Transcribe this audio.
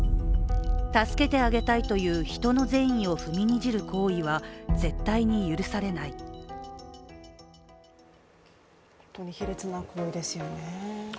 助けてあげたいという人の善意を踏みにじる行為は絶対に許されない本当に卑劣な行為ですよね。